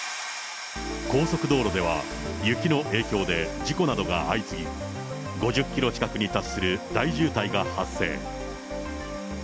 高速道路では、雪の影響で事故などが相次ぎ、５０キロ近くに達する大渋滞が発生。